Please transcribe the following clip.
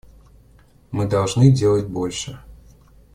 Мы должны делать больше.